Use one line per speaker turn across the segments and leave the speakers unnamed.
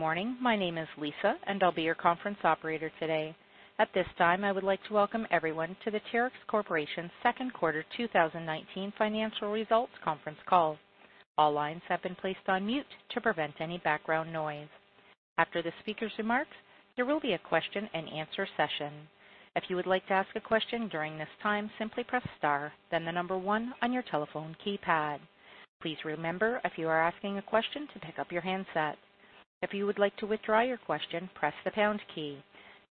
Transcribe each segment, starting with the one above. Morning. My name is Lisa, and I'll be your conference operator today. At this time, I would like to welcome everyone to the Terex Corporation's Second Quarter 2019 Financial Results Conference Call. All lines have been placed on mute to prevent any background noise. After the speaker's remarks, there will be a question and answer session. If you would like to ask a question during this time, simply press star, then number one on your telephone keypad. Please remember, if you are asking a question, to pick up your handset. If you would like to withdraw your question, press the pound key.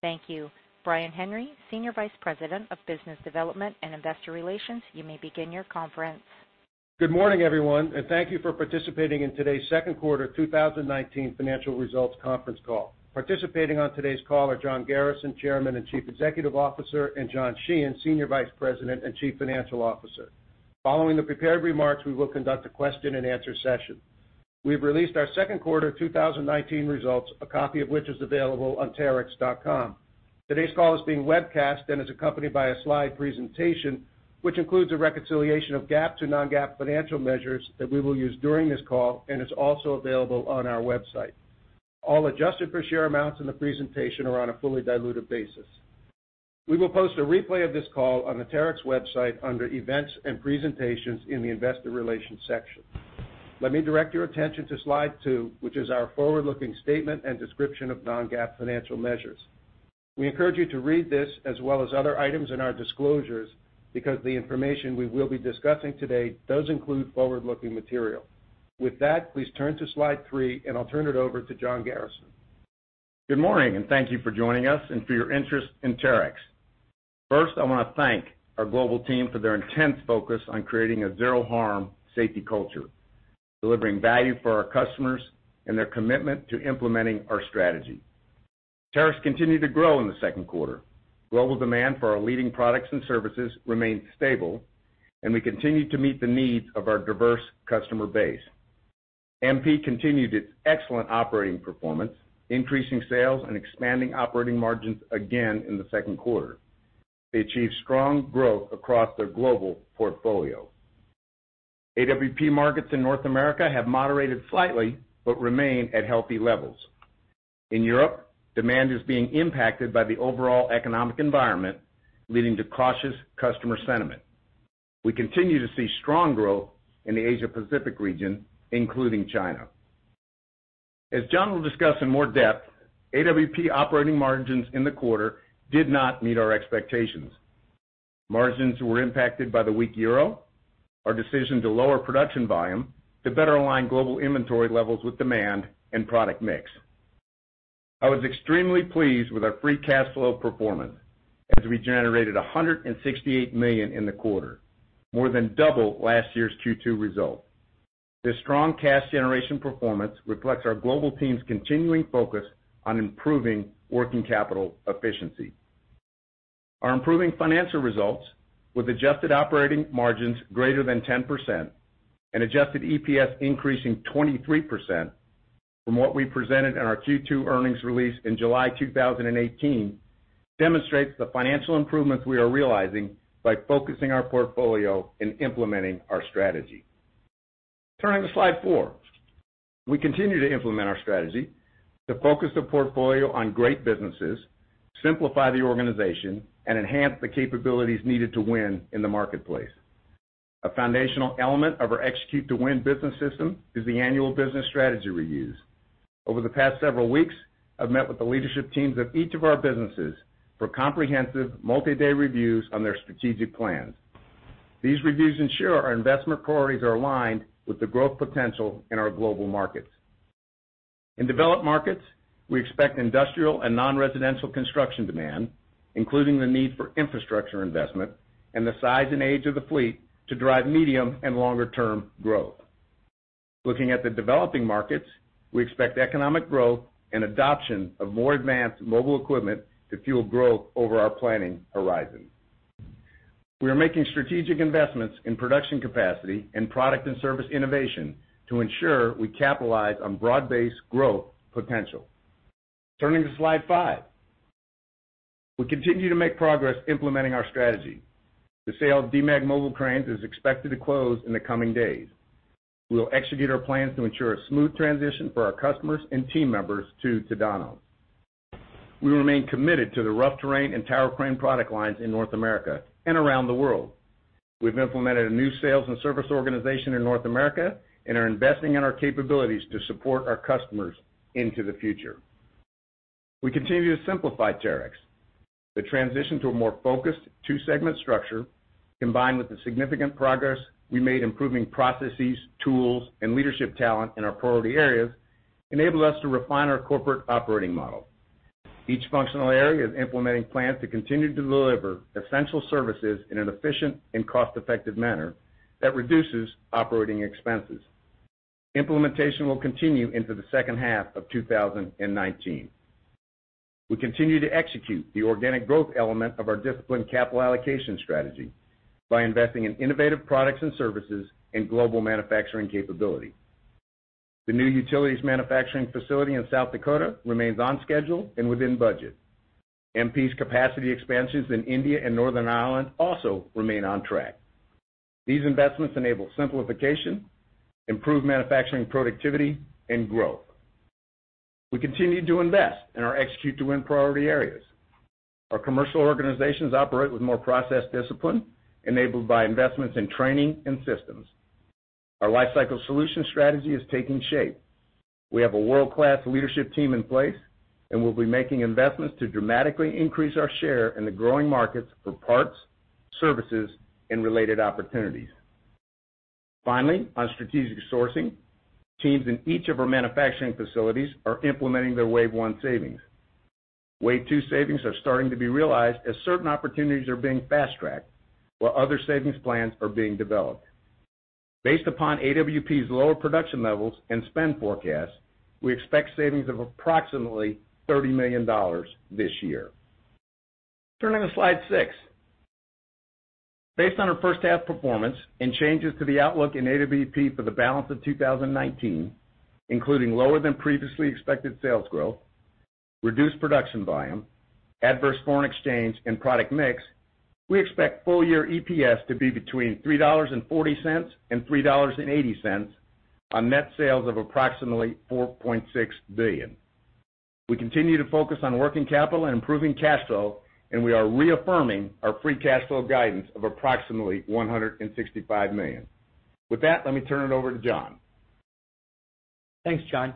Thank you. Brian Henry, Senior Vice President of Business Development and Investor Relations, you may begin your conference.
Good morning, everyone, and thank you for participating in today's Second Quarter 2019 Financial Results Conference Call. Participating on today's call are John Garrison, Chairman and Chief Executive Officer, and John Sheehan, Senior Vice President and Chief Financial Officer. Following the prepared remarks, we will conduct a question and answer session. We've released our second quarter 2019 results, a copy of which is available on terex.com. Today's call is being webcast and is accompanied by a slide presentation, which includes a reconciliation of GAAP to non-GAAP financial measures that we will use during this call and is also available on our website. All adjusted per share amounts in the presentation are on a fully diluted basis. We will post a replay of this call on the Terex website under Events and Presentations in the Investor Relations section. Let me direct your attention to slide two, which is our forward-looking statement and description of non-GAAP financial measures. We encourage you to read this as well as other items in our disclosures because the information we will be discussing today does include forward-looking material. With that, please turn to slide three, and I'll turn it over to John Garrison.
Good morning, and thank you for joining us and for your interest in Terex. First, I want to thank our global team for their intense focus on creating a zero-harm safety culture, delivering value for our customers, and their commitment to implementing our strategy. Terex continued to grow in the second quarter. Global demand for our leading products and services remained stable, and we continued to meet the needs of our diverse customer base. MP continued its excellent operating performance, increasing sales and expanding operating margins again in the second quarter. They achieved strong growth across their global portfolio. AWP markets in North America have moderated slightly but remain at healthy levels. In Europe, demand is being impacted by the overall economic environment, leading to cautious customer sentiment. We continue to see strong growth in the Asia-Pacific region, including China. As John will discuss in more depth, AWP operating margins in the quarter did not meet our expectations. Margins were impacted by the weak euro, our decision to lower production volume to better align global inventory levels with demand, and product mix. I was extremely pleased with our free cash flow performance as we generated $168 million in the quarter, more than double last year's Q2 result. This strong cash generation performance reflects our global team's continuing focus on improving working capital efficiency. Our improving financial results, with adjusted operating margins greater than 10% and adjusted EPS increasing 23% from what we presented in our Q2 earnings release in July 2018, demonstrates the financial improvements we are realizing by focusing our portfolio and implementing our strategy. Turning to slide four. We continue to implement our strategy to focus the portfolio on great businesses, simplify the organization, and enhance the capabilities needed to win in the marketplace. A foundational element of our Execute to Win business system is the annual business strategy reviews. Over the past several weeks, I've met with the leadership teams of each of our businesses for comprehensive multi-day reviews on their strategic plans. These reviews ensure our investment priorities are aligned with the growth potential in our global markets. In developed markets, we expect industrial and non-residential construction demand, including the need for infrastructure investment and the size and age of the fleet, to drive medium and longer-term growth. Looking at the developing markets, we expect economic growth and adoption of more advanced mobile equipment to fuel growth over our planning horizon. We are making strategic investments in production capacity and product and service innovation to ensure we capitalize on broad-based growth potential. Turning to slide five. We continue to make progress implementing our strategy. The sale of Demag Mobile Cranes is expected to close in the coming days. We will execute our plans to ensure a smooth transition for our customers and team members to Tadano. We remain committed to the rough terrain and tower crane product lines in North America and around the world. We've implemented a new sales and service organization in North America and are investing in our capabilities to support our customers into the future. We continue to simplify Terex. The transition to a more focused two-segment structure, combined with the significant progress we made improving processes, tools, and leadership talent in our priority areas, enable us to refine our corporate operating model. Each functional area is implementing plans to continue to deliver essential services in an efficient and cost-effective manner that reduces operating expenses. Implementation will continue into the second half of 2019. We continue to execute the organic growth element of our disciplined capital allocation strategy by investing in innovative products and services and global manufacturing capability. The new utilities manufacturing facility in South Dakota remains on schedule and within budget. MP's capacity expansions in India and Northern Ireland also remain on track. These investments enable simplification, improved manufacturing productivity, and growth. We continue to invest in our Execute to Win priority areas. Our commercial organizations operate with more process discipline, enabled by investments in training and systems. Our lifecycle solutions strategy is taking shape. We have a world-class leadership team in place, and we'll be making investments to dramatically increase our share in the growing markets for parts, services, and related opportunities. Finally, on strategic sourcing, teams in each of our manufacturing facilities are implementing their wave one savings. Wave two savings are starting to be realized as certain opportunities are being fast-tracked, while other savings plans are being developed. Based upon AWP's lower production levels and spend forecast, we expect savings of approximately $30 million this year. Turning to slide six. Based on our first half performance and changes to the outlook in AWP for the balance of 2019, including lower than previously expected sales growth, reduced production volume, adverse foreign exchange, and product mix, we expect full year EPS to be between $3.40 and $3.80 on net sales of approximately $4.6 billion. We continue to focus on working capital and improving cash flow, and we are reaffirming our free cash flow guidance of approximately $165 million. With that, let me turn it over to John.
Thanks, John.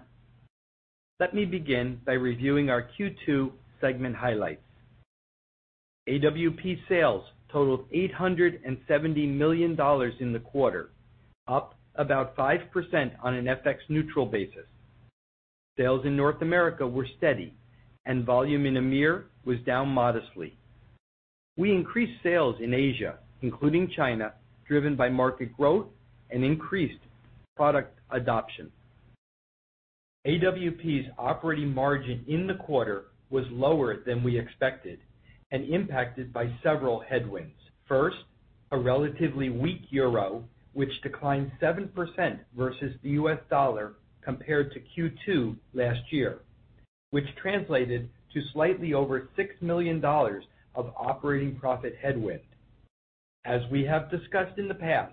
Let me begin by reviewing our Q2 segment highlights. AWP sales totaled $870 million in the quarter, up about 5% on an FX neutral basis. Sales in North America were steady and volume in EMEAR was down modestly. We increased sales in Asia, including China, driven by market growth and increased product adoption. AWP's operating margin in the quarter was lower than we expected and impacted by several headwinds. First, a relatively weak euro, which declined 7% versus the US dollar compared to Q2 last year, which translated to slightly over $6 million of operating profit headwind. As we have discussed in the past,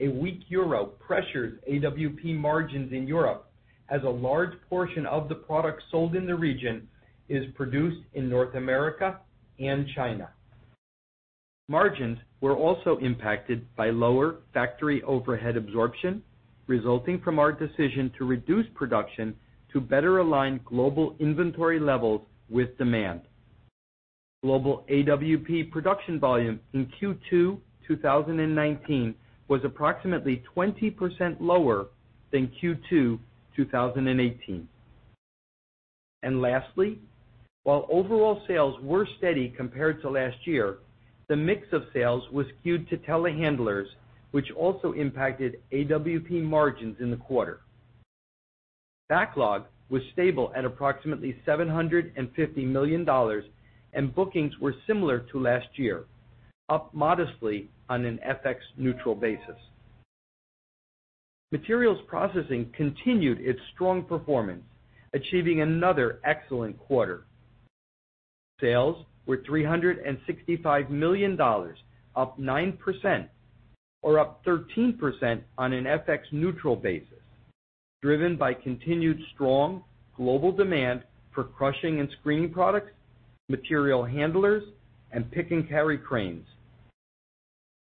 a weak euro pressures AWP margins in Europe as a large portion of the product sold in the region is produced in North America and China. Margins were also impacted by lower factory overhead absorption resulting from our decision to reduce production to better align global inventory levels with demand. Global AWP production volume in Q2 2019 was approximately 20% lower than Q2 2018. Lastly, while overall sales were steady compared to last year, the mix of sales was skewed to telehandlers, which also impacted AWP margins in the quarter. Backlog was stable at approximately $750 million, and bookings were similar to last year, up modestly on an FX neutral basis. Materials processing continued its strong performance, achieving another excellent quarter. Sales were $365 million, up 9%, or up 13% on an FX neutral basis, driven by continued strong global demand for crushing and screening products, material handlers, and pick and carry cranes.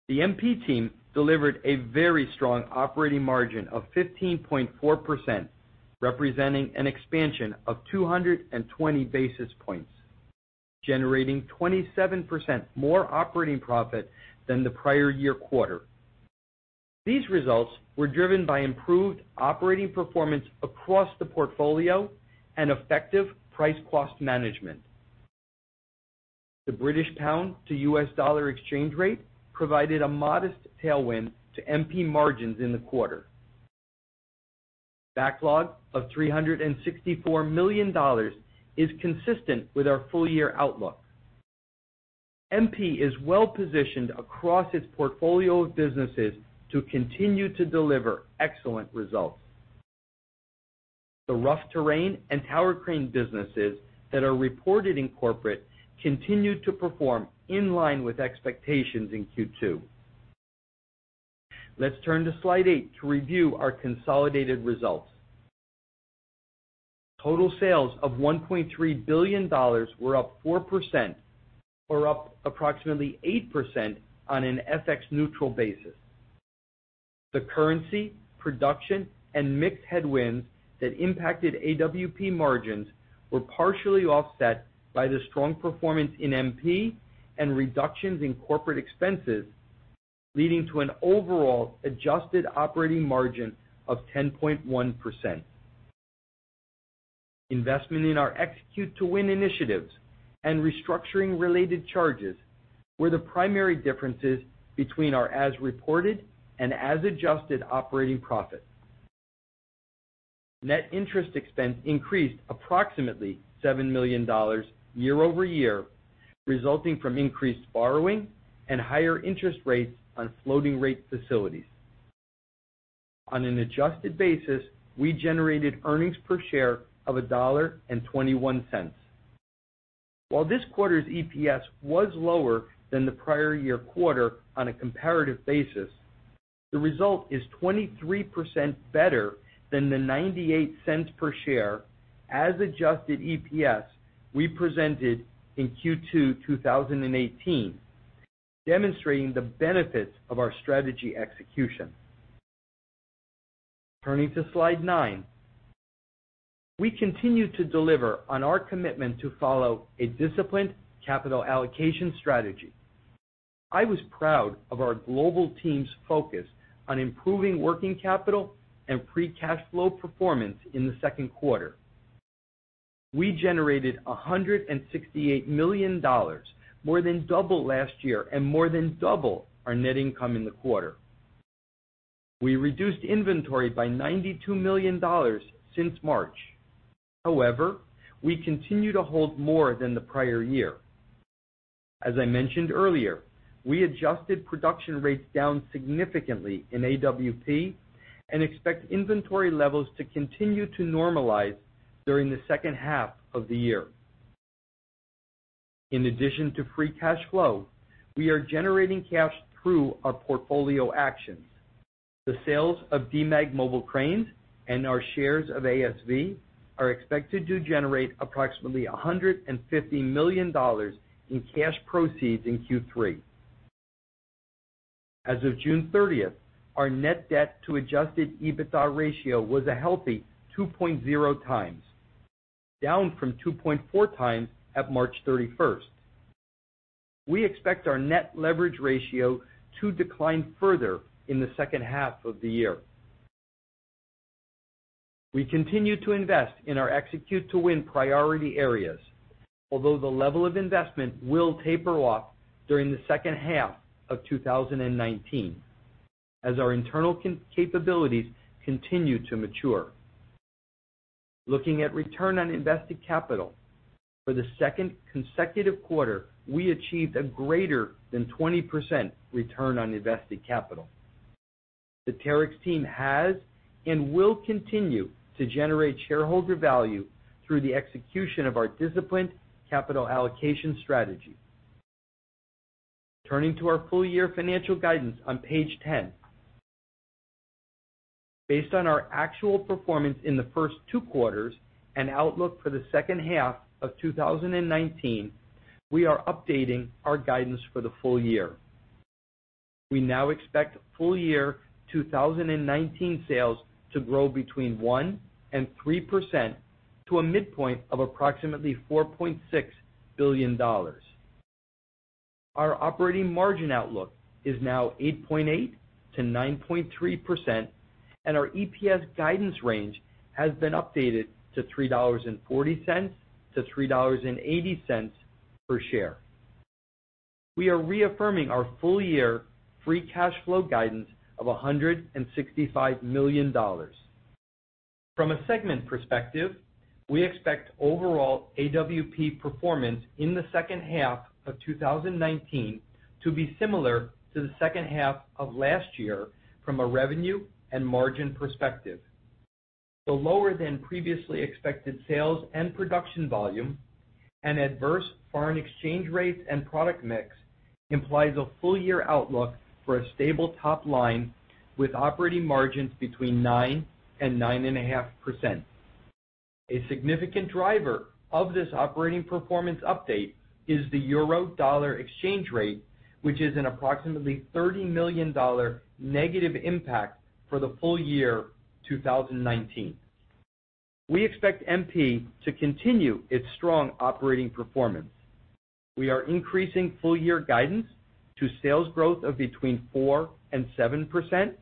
The MP team delivered a very strong operating margin of 15.4%, representing an expansion of 220 basis points, generating 27% more operating profit than the prior year quarter. These results were driven by improved operating performance across the portfolio and effective price-cost management. The British pound to US dollar exchange rate provided a modest tailwind to MP margins in the quarter. Backlog of $364 million is consistent with our full year outlook. MP is well positioned across its portfolio of businesses to continue to deliver excellent results. The rough terrain and tower crane businesses that are reported in Corporate continued to perform in line with expectations in Q2. Let's turn to slide eight to review our consolidated results. Total sales of $1.3 billion were up 4%, or up approximately 8% on an FX neutral basis. The currency, production, and mix headwinds that impacted AWP margins were partially offset by the strong performance in MP and reductions in corporate expenses, leading to an overall adjusted operating margin of 10.1%. Investment in our Execute to Win initiatives and restructuring related charges were the primary differences between our as reported and as adjusted operating profit. Net interest expense increased approximately $7 million year-over-year, resulting from increased borrowing and higher interest rates on floating rate facilities. On an adjusted basis, we generated earnings per share of $1.21. While this quarter's EPS was lower than the prior year quarter on a comparative basis, the result is 23% better than the $0.98 per share as adjusted EPS we presented in Q2 2018, demonstrating the benefits of our strategy execution. Turning to slide nine. We continue to deliver on our commitment to follow a disciplined capital allocation strategy. I was proud of our global team's focus on improving working capital and free cash flow performance in the second quarter. We generated $168 million, more than double last year and more than double our net income in the quarter. We reduced inventory by $92 million since March. However, we continue to hold more than the prior year. As I mentioned earlier, we adjusted production rates down significantly in AWP and expect inventory levels to continue to normalize during the second half of the year. In addition to free cash flow, we are generating cash through our portfolio actions. The sales of Demag Mobile Cranes and our shares of ASV are expected to generate approximately $150 million in cash proceeds in Q3. As of June 30th, our net debt to adjusted EBITDA ratio was a healthy 2.0x, down from 2.4x at March 31st. We expect our net leverage ratio to decline further in the second half of the year. We continue to invest in our Execute to Win priority areas, although the level of investment will taper off during the second half of 2019 as our internal capabilities continue to mature. Looking at return on invested capital, for the second consecutive quarter, we achieved a greater than 20% return on invested capital. The Terex team has and will continue to generate shareholder value through the execution of our disciplined capital allocation strategy. Turning to our full year financial guidance on page 10. Based on our actual performance in the first two quarters and outlook for the second half of 2019, we are updating our guidance for the full year. We now expect full year 2019 sales to grow between 1% and 3% to a midpoint of approximately $4.6 billion. Our operating margin outlook is now 8.8%-9.3%, and our EPS guidance range has been updated to $3.40-$3.80 per share. We are reaffirming our full year free cash flow guidance of $165 million. From a segment perspective, we expect overall AWP performance in the second half of 2019 to be similar to the second half of last year from a revenue and margin perspective. The lower than previously expected sales and production volume and adverse foreign exchange rates and product mix implies a full-year outlook for a stable top line with operating margins between 9% and 9.5%. A significant driver of this operating performance update is the euro-dollar exchange rate, which is an approximately $30 million negative impact for the full year 2019. We expect MP to continue its strong operating performance. We are increasing full year guidance to sales growth of between 4% and 7%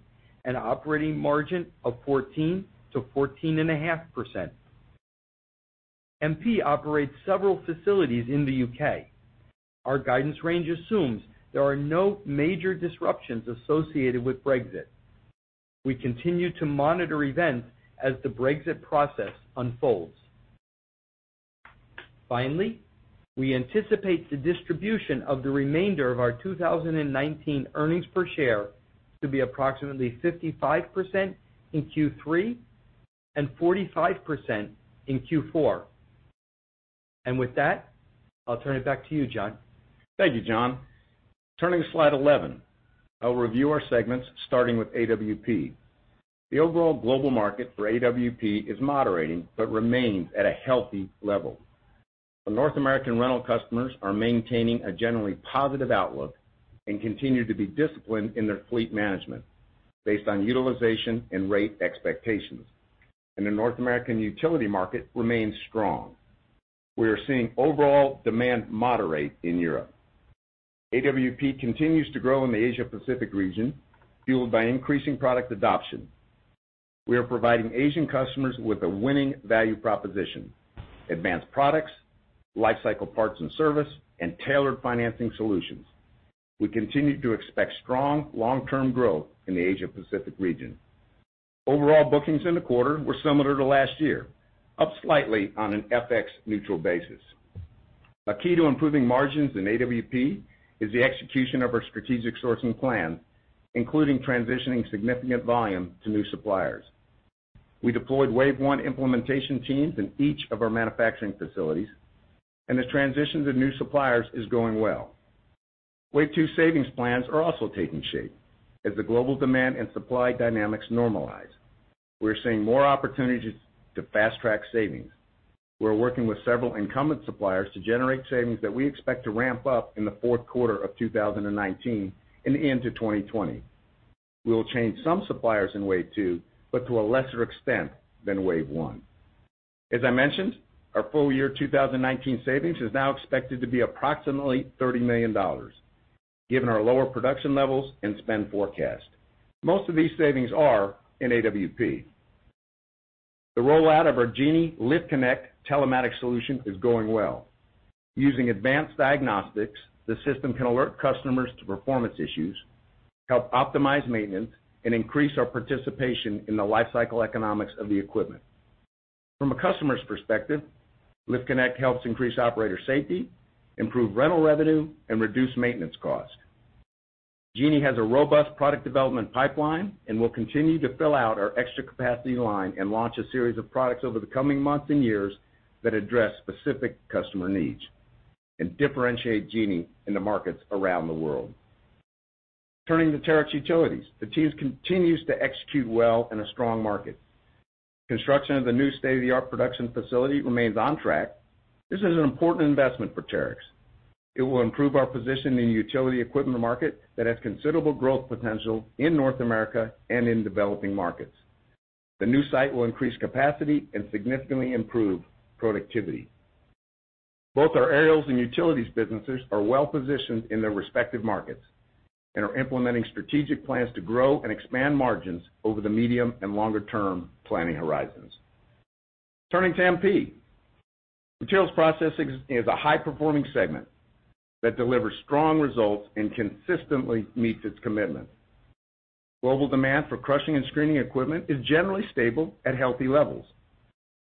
and operating margin of 14%-14.5%. MP operates several facilities in the U.K. Our guidance range assumes there are no major disruptions associated with Brexit. We continue to monitor events as the Brexit process unfolds. I anticipate the distribution of the remainder of our 2019 earnings per share to be approximately 55% in Q3 and 45% in Q4. With that, I'll turn it back to you, John.
Thank you, John. Turning to slide 11. I'll review our segments, starting with AWP. The overall global market for AWP is moderating but remains at a healthy level. The North American rental customers are maintaining a generally positive outlook and continue to be disciplined in their fleet management based on utilization and rate expectations. The North American utility market remains strong. We are seeing overall demand moderate in Europe. AWP continues to grow in the Asia-Pacific region, fueled by increasing product adoption. We are providing Asian customers with a winning value proposition, advanced products, lifecycle parts and service, and tailored financing solutions. We continue to expect strong long-term growth in the Asia-Pacific region. Overall bookings in the quarter were similar to last year, up slightly on an FX neutral basis. A key to improving margins in AWP is the execution of our strategic sourcing plan, including transitioning significant volume to new suppliers. We deployed wave one implementation teams in each of our manufacturing facilities, and the transitions of new suppliers is going well. Wave two savings plans are also taking shape as the global demand and supply dynamics normalize. We're seeing more opportunities to fast-track savings. We're working with several incumbent suppliers to generate savings that we expect to ramp up in the fourth quarter of 2019 and into 2020. We'll change some suppliers in wave two, but to a lesser extent than wave one. As I mentioned, our full year 2019 savings is now expected to be approximately $30 million, given our lower production levels and spend forecast. Most of these savings are in AWP. The rollout of our Genie Lift Connect telematics solution is going well. Using advanced diagnostics, the system can alert customers to performance issues, help optimize maintenance, and increase our participation in the life cycle economics of the equipment. From a customer's perspective, Lift Connect helps increase operator safety, improve rental revenue, and reduce maintenance cost. Genie has a robust product development pipeline and will continue to fill out our Xtra Capacity line and launch a series of products over the coming months and years that address specific customer needs and differentiate Genie in the markets around the world. Turning to Terex Utilities. The team continues to execute well in a strong market. Construction of the new state-of-the-art production facility remains on track. This is an important investment for Terex. It will improve our position in the utility equipment market that has considerable growth potential in North America and in developing markets. The new site will increase capacity and significantly improve productivity. Both our Aerials and Utilities businesses are well positioned in their respective markets and are implementing strategic plans to grow and expand margins over the medium and longer term planning horizons. Turning to MP. Materials Processing is a high-performing segment that delivers strong results and consistently meets its commitments. Global demand for crushing and screening equipment is generally stable at healthy levels.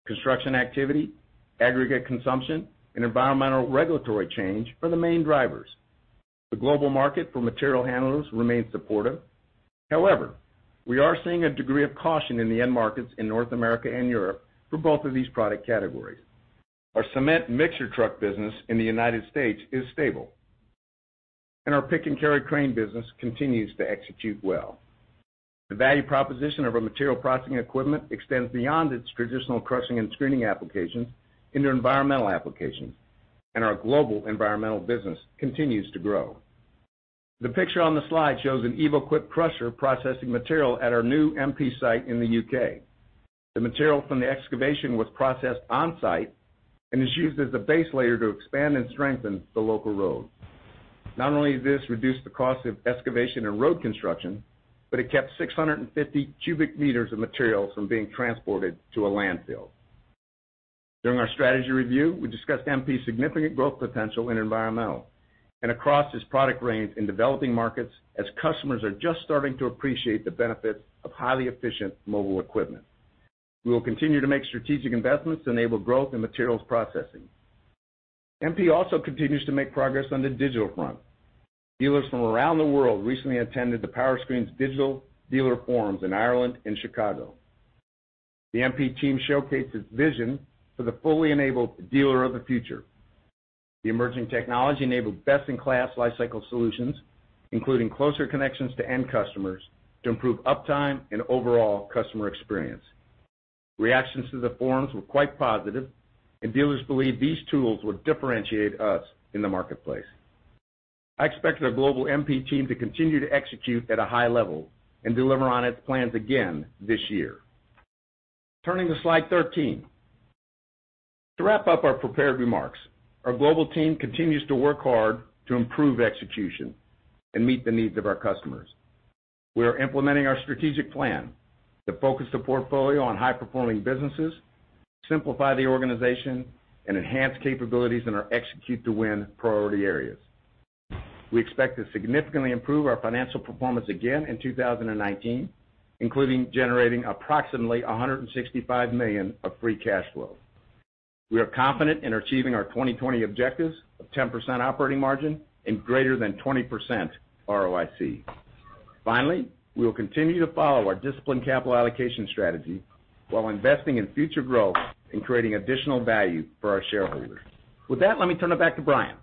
Construction activity, aggregate consumption, and environmental regulatory change are the main drivers. The global market for material handlers remains supportive. We are seeing a degree of caution in the end markets in North America and Europe for both of these product categories. Our cement mixer truck business in the U.S. is stable, and our pick-and-carry crane business continues to execute well. The value proposition of our material processing equipment extends beyond its traditional crushing and screening applications into environmental applications, and our global environmental business continues to grow. The picture on the slide shows an EvoQuip crusher processing material at our new MP site in the U.K. The material from the excavation was processed on-site and is used as a base layer to expand and strengthen the local road. Not only did this reduce the cost of excavation and road construction, but it kept 650 cubic meters of material from being transported to a landfill. During our strategy review, we discussed MP's significant growth potential in environmental and across this product range in developing markets, as customers are just starting to appreciate the benefits of highly efficient mobile equipment. We will continue to make strategic investments to enable growth in Materials Processing. MP also continues to make progress on the digital front. Dealers from around the world recently attended the Powerscreen's digital dealer forums in Ireland and Chicago. The MP team showcased its vision for the fully enabled dealer of the future. The emerging technology enabled best-in-class life cycle solutions, including closer connections to end customers, to improve uptime and overall customer experience. Reactions to the forums were quite positive, and dealers believe these tools will differentiate us in the marketplace. I expect our global MP team to continue to execute at a high level and deliver on its plans again this year. Turning to slide 13. To wrap up our prepared remarks, our global team continues to work hard to improve execution and meet the needs of our customers. We are implementing our strategic plan to focus the portfolio on high-performing businesses, simplify the organization, and enhance capabilities in our Execute to Win priority areas. We expect to significantly improve our financial performance again in 2019, including generating approximately $165 million of free cash flow. We are confident in achieving our 2020 objectives of 10% operating margin and greater than 20% ROIC. Finally, we will continue to follow our disciplined capital allocation strategy while investing in future growth and creating additional value for our shareholders. With that, let me turn it back to Brian.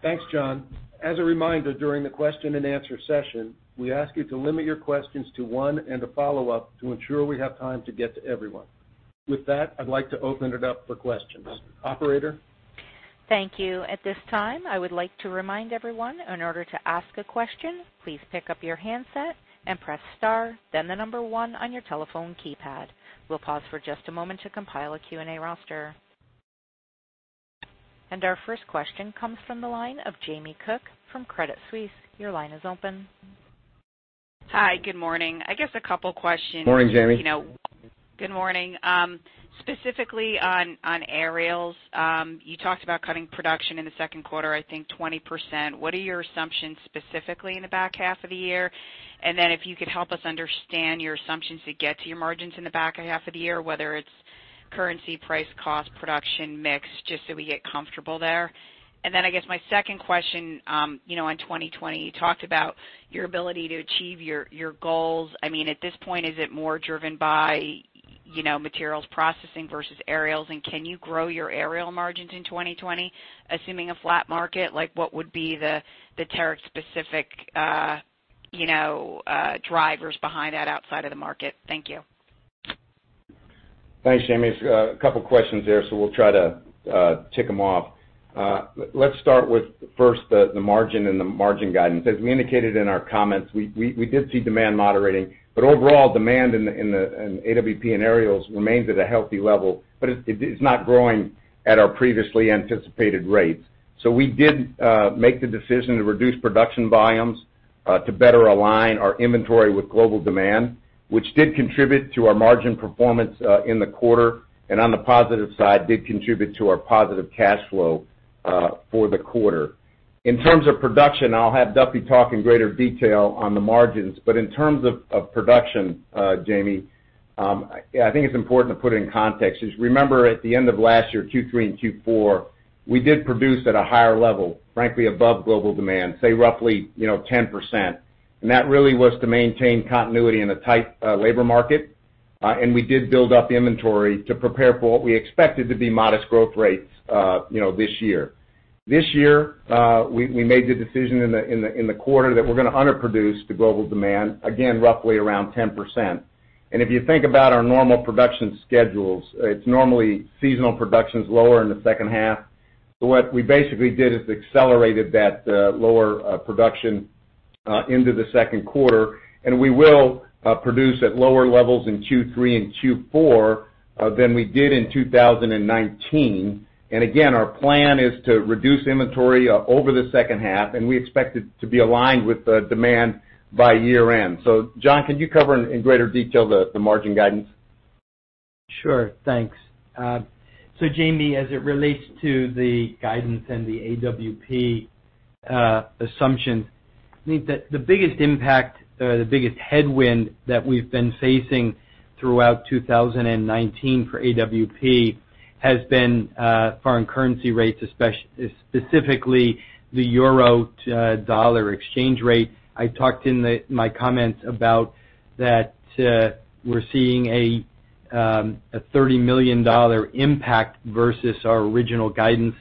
Thanks, John. As a reminder, during the question and answer session, we ask you to limit your questions to one and a follow-up to ensure we have time to get to everyone. With that, I'd like to open it up for questions. Operator?
Thank you. At this time, I would like to remind everyone, in order to ask a question, please pick up your handset and press star, then the number one on your telephone keypad. We'll pause for just a moment to compile a Q&A roster. Our first question comes from the line of Jamie Cook from Credit Suisse. Your line is open.
Hi. Good morning. I guess a couple questions.
Morning, Jamie.
Good morning. Specifically on Aerials. You talked about cutting production in the second quarter, I think 20%. What are your assumptions specifically in the back half of the year? If you could help us understand your assumptions to get to your margins in the back half of the year, whether it's currency price, cost production mix, just so we get comfortable there. I guess my second question, on 2020, you talked about your ability to achieve your goals. At this point, is it more driven by Materials Processing versus Aerials, and can you grow your Aerials margins in 2020, assuming a flat market? What would be the Terex specific drivers behind that outside of the market? Thank you.
Thanks, Jamie. It's a couple of questions there, so we'll try to tick them off. Let's start with first the margin and the margin guidance. As we indicated in our comments, we did see demand moderating, but overall demand in AWP and Aerials remains at a healthy level, but it's not growing at our previously anticipated rates. We did make the decision to reduce production volumes to better align our inventory with global demand, which did contribute to our margin performance in the quarter, and on the positive side, did contribute to our positive cash flow for the quarter. In terms of production, I'll have Duffy talk in greater detail on the margins. In terms of production, Jamie, I think it's important to put it in context. Just remember, at the end of last year, Q3 and Q4, we did produce at a higher level, frankly above global demand, say roughly 10%. That really was to maintain continuity in a tight labor market. We did build up inventory to prepare for what we expected to be modest growth rates this year. This year, we made the decision in the quarter that we're going to underproduce the global demand, again, roughly around 10%. If you think about our normal production schedules, it's normally seasonal production's lower in the second half. What we basically did is accelerated that lower production into the second quarter, and we will produce at lower levels in Q3 and Q4 than we did in 2019. Again, our plan is to reduce inventory over the second half, and we expect it to be aligned with demand by year-end. John, can you cover in greater detail the margin guidance?
Sure. Thanks. Jamie, as it relates to the guidance and the AWP assumption, I think the biggest impact or the biggest headwind that we've been facing throughout 2019 for AWP has been foreign currency rates, specifically the euro-dollar exchange rate. I talked in my comments about that we're seeing a $30 million impact versus our original guidance.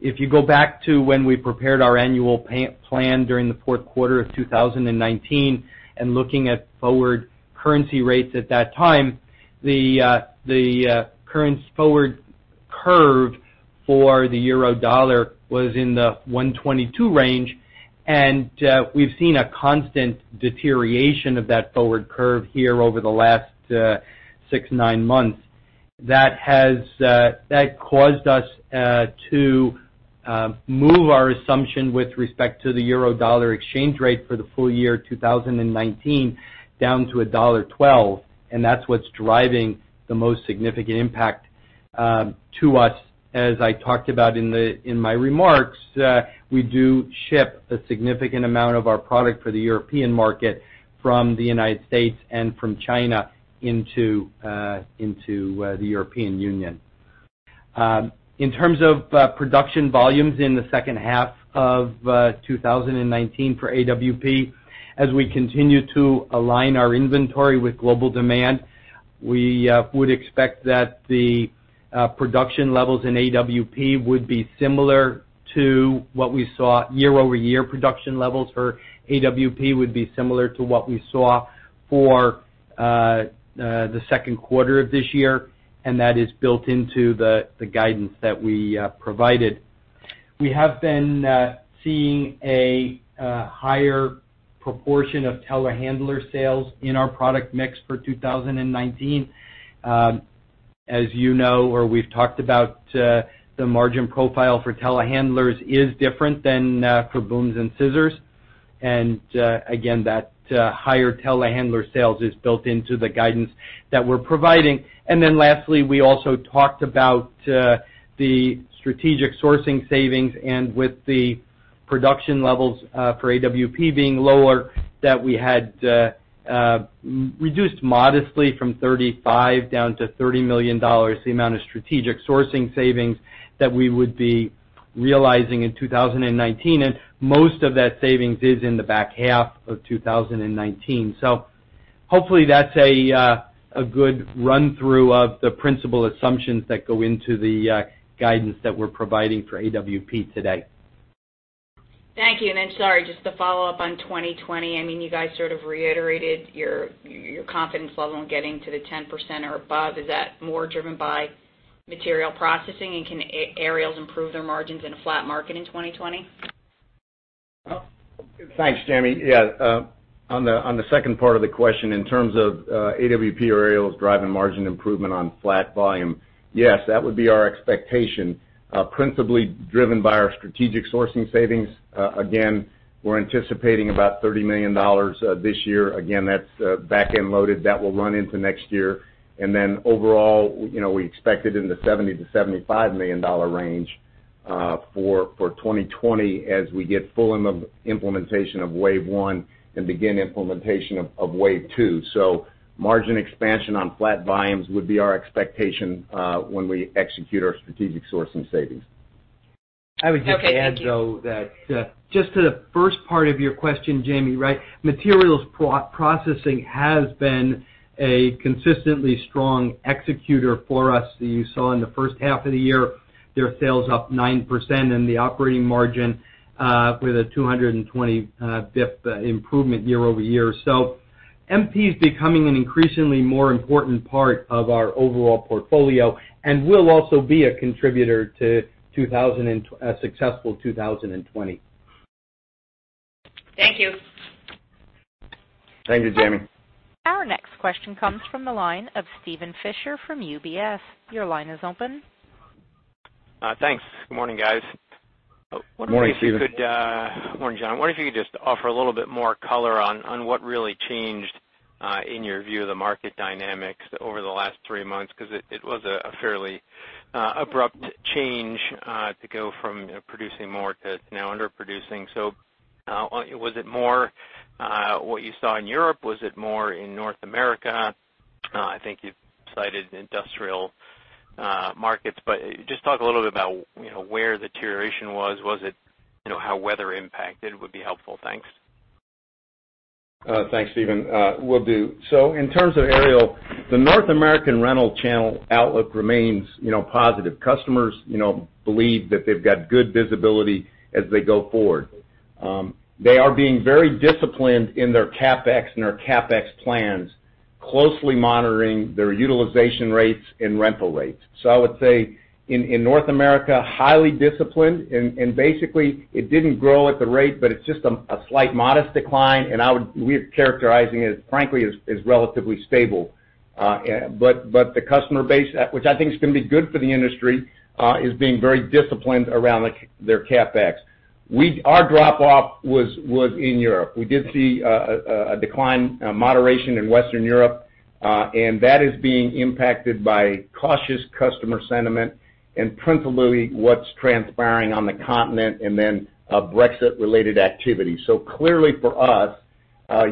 If you go back to when we prepared our annual plan during the fourth quarter of 2019 and looking at forward currency rates at that time, the currency forward curve for the euro-dollar was in the 1.22 range, and we've seen a constant deterioration of that forward curve here over the last six, nine months. That caused us to move our assumption with respect to the euro-dollar exchange rate for the full year 2019 down to $1.12, and that's what's driving the most significant impact to us. As I talked about in my remarks, we do ship a significant amount of our product for the European market from the U.S. and from China into the European Union. In terms of production volumes in the second half of 2019 for AWP, as we continue to align our inventory with global demand, we would expect that production levels for AWP would be similar to what we saw for the second quarter of this year, and that is built into the guidance that we provided. We have been seeing a higher proportion of telehandler sales in our product mix for 2019. As you know or we've talked about, the margin profile for telehandlers is different than for booms and scissors. Again, that higher telehandler sales is built into the guidance that we're providing. Then lastly, we also talked about the strategic sourcing savings and with the production levels for AWP being lower, that we had reduced modestly from 35 down to $30 million, the amount of strategic sourcing savings that we would be realizing in 2019. Most of that savings is in the back half of 2019. Hopefully that's a good run through of the principal assumptions that go into the guidance that we're providing for AWP today.
Thank you. Sorry, just to follow up on 2020. You guys sort of reiterated your confidence level on getting to the 10% or above. Is that more driven by Material Processing, and can Aerials improve their margins in a flat market in 2020?
Thanks, Jamie. Yeah. On the second part of the question, in terms of AWP or Aerials driving margin improvement on flat volume, yes, that would be our expectation, principally driven by our strategic sourcing savings. Again, we're anticipating about $30 million this year. Again, that's back-end loaded. That will run into next year. Overall, we expect it in the $70 million-$75 million range for 2020, as we get full implementation of wave one and begin implementation of wave two. Margin expansion on flat volumes would be our expectation when we execute our strategic sourcing savings.
I would just add, though, that just to the first part of your question, Jamie, materials processing has been a consistently strong executor for us. You saw in the first half of the year their sales up 9% and the operating margin with a 220 basis points improvement year-over-year. MP is becoming an increasingly more important part of our overall portfolio and will also be a contributor to a successful 2020.
Thank you.
Thank you, Jamie.
Our next question comes from the line of Steven Fisher from UBS. Your line is open.
Thanks. Good morning, guys.
Morning, Steven.
Morning, John. I wonder if you could just offer a little bit more color on what really changed in your view of the market dynamics over the last three months, because it was a fairly abrupt change to go from producing more to now underproducing. Was it more what you saw in Europe? Was it more in North America? I think you've cited industrial markets, but just talk a little bit about where the deterioration was. How weather impacted would be helpful. Thanks.
Thanks, Steven. Will do. In terms of aerial, the North American rental channel outlook remains positive. Customers believe that they've got good visibility as they go forward. They are being very disciplined in their CapEx and their CapEx plans, closely monitoring their utilization rates and rental rates. I would say in North America, highly disciplined, and basically it didn't grow at the rate, but it's just a slight modest decline. We're characterizing it, frankly, as relatively stable. The customer base, which I think is going to be good for the industry, is being very disciplined around their CapEx. Our drop-off was in Europe. We did see a decline, a moderation in Western Europe, and that is being impacted by cautious customer sentiment and principally what's transpiring on the continent and then Brexit-related activity. Clearly for us,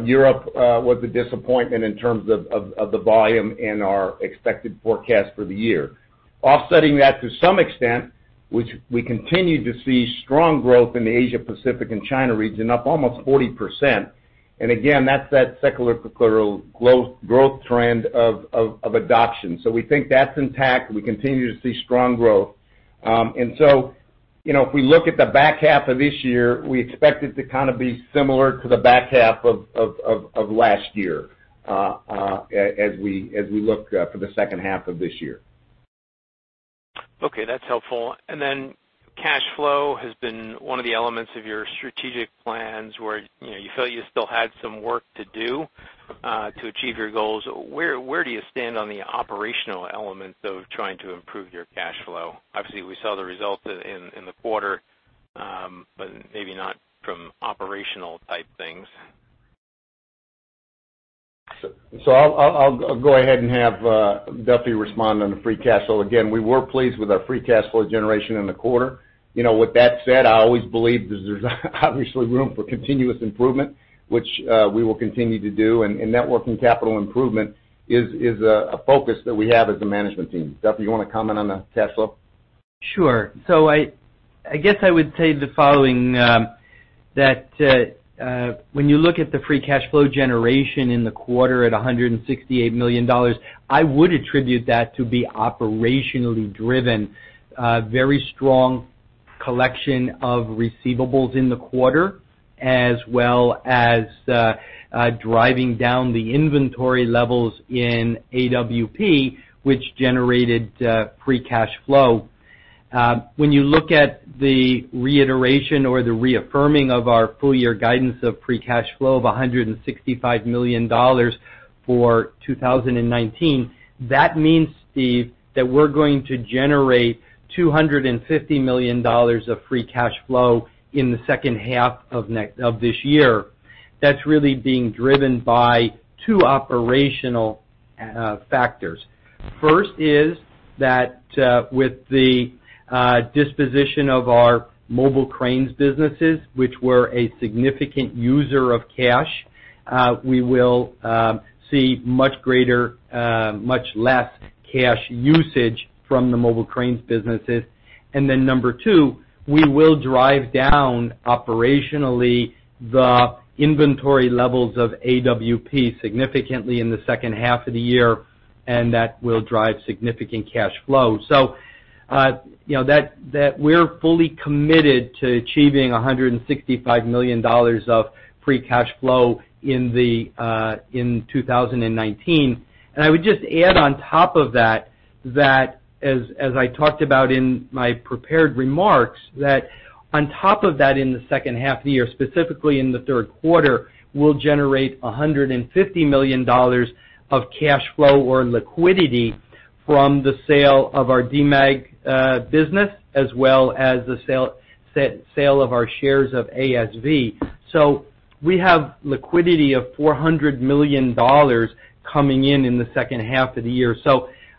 Europe was a disappointment in terms of the volume and our expected forecast for the year. Offsetting that to some extent, which we continue to see strong growth in the Asia-Pacific and China region, up almost 40%. Again, that's that secular growth trend of adoption. We think that's intact. We continue to see strong growth. If we look at the back half of this year, we expect it to kind of be similar to the back half of last year as we look for the second half of this year.
Okay, that's helpful. Cash flow has been one of the elements of your strategic plans where you feel you still had some work to do to achieve your goals. Where do you stand on the operational elements of trying to improve your cash flow? Obviously, we saw the results in the quarter, but maybe not from operational type things.
I'll go ahead and have Duffy respond on the free cash flow. Again, we were pleased with our free cash flow generation in the quarter. With that said, I always believe there's obviously room for continuous improvement, which we will continue to do. Net working capital improvement is a focus that we have as a management team. Duffy, you want to comment on the cash flow?
Sure. I guess I would say the following, that when you look at the free cash flow generation in the quarter at $168 million, I would attribute that to be operationally driven. Very strong collection of receivables in the quarter, as well as driving down the inventory levels in AWP, which generated free cash flow. When you look at the reiteration or the reaffirming of our full-year guidance of free cash flow of $165 million for 2019, that means, Steve, that we're going to generate $250 million of free cash flow in the second half of this year. That's really being driven by two operational factors. First is that with the disposition of our mobile cranes businesses, which were a significant user of cash, we will see much less cash usage from the mobile cranes businesses. Number two, we will drive down operationally the inventory levels of AWP significantly in the second half of the year, and that will drive significant cash flow. We're fully committed to achieving $165 million of free cash flow in 2019. I would just add on top of that, as I talked about in my prepared remarks, that on top of that in the second half of the year, specifically in the third quarter, we'll generate $150 million of cash flow or liquidity from the sale of our Demag business as well as the sale of our shares of ASV. We have liquidity of $400 million coming in the second half of the year.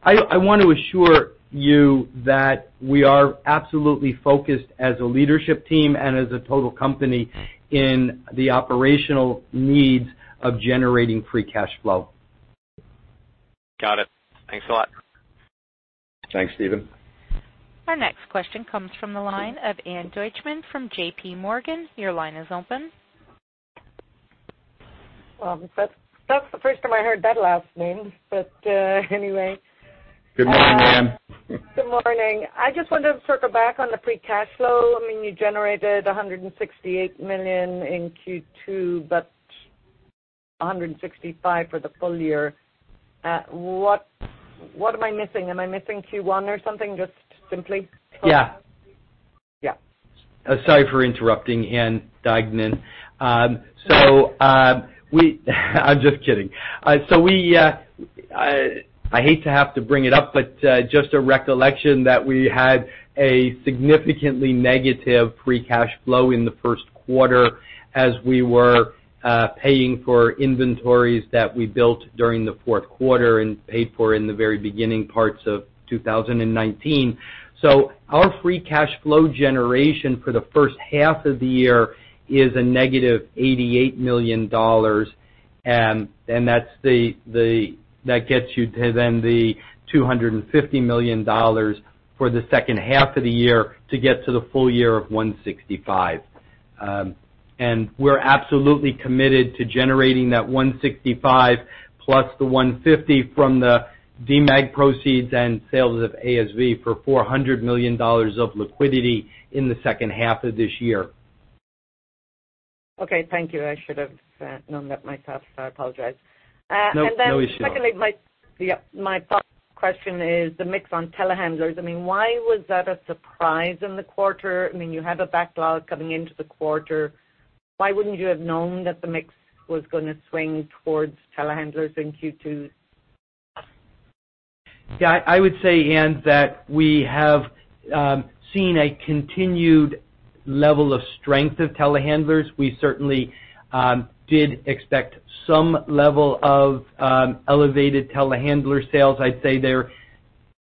I want to assure you that we are absolutely focused as a leadership team and as a total company in the operational needs of generating free cash flow.
Got it. Thanks a lot.
Thanks, Steven.
Our next question comes from the line of Ann Duignan from JPMorgan. Your line is open.
Well, that's the first time I heard that last name. Anyway.
Good morning, Ann.
Good morning. I just wanted to circle back on the free cash flow. You generated $168 million in Q2, but $165 for the full year. What am I missing? Am I missing Q1 or something, just simply?
Yeah. Sorry for interrupting, Ann Duignan. I'm just kidding. I hate to have to bring it up, but just a recollection that we had a significantly negative free cash flow in the first quarter as we were paying for inventories that we built during the fourth quarter and paid for in the very beginning parts of 2019. Our free cash flow generation for the first half of the year is a negative $88 million. That gets you to then the $250 million for the second half of the year to get to the full year of $165. We're absolutely committed to generating that $165 plus the $150 from the Demag proceeds and sales of ASV for $400 million of liquidity in the second half of this year.
Okay. Thank you. I should have known that myself, so I apologize.
No, no, you shouldn't.
Secondly, my follow-up question is the mix on telehandlers. Why was that a surprise in the quarter? You had a backlog coming into the quarter. Why wouldn't you have known that the mix was going to swing towards telehandlers in Q2?
Yeah, I would say, Ann, that we have seen a continued level of strength of telehandlers. We certainly did expect some level of elevated telehandler sales. I'd say they're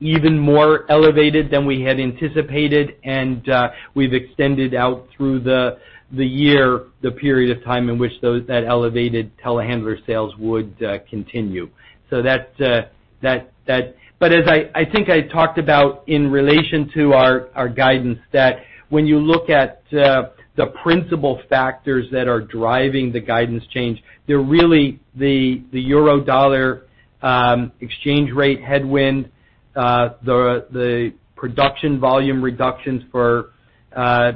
even more elevated than we had anticipated, and we've extended out through the year, the period of time in which that elevated telehandler sales would continue. As I think I talked about in relation to our guidance, that when you look at the principal factors that are driving the guidance change, they're really the euro-dollar exchange rate headwind, the production volume reductions for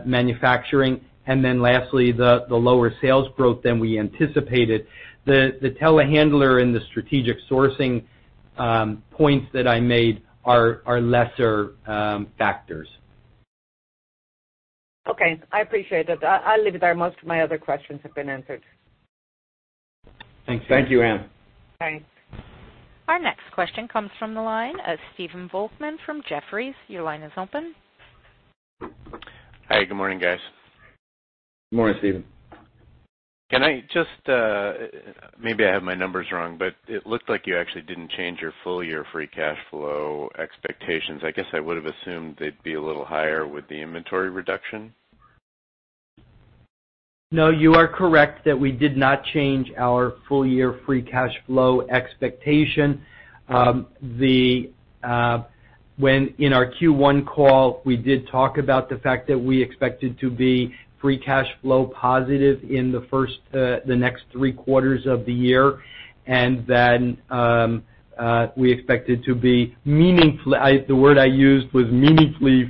manufacturing, and then lastly, the lower sales growth than we anticipated. The telehandler and the strategic sourcing points that I made are lesser factors.
Okay, I appreciate that. I'll leave it there. Most of my other questions have been answered.
Thank you, Ann.
Thanks.
Our next question comes from the line of Stephen Volkmann from Jefferies. Your line is open.
Hi, good morning, guys.
Good morning, Stephen.
Maybe I have my numbers wrong, but it looked like you actually didn't change your full-year free cash flow expectations. I guess I would've assumed they'd be a little higher with the inventory reduction.
You are correct that we did not change our full-year free cash flow expectation. In our Q1 call, we did talk about the fact that we expected to be free cash flow positive in the next three quarters of the year, then we expected to be meaningfully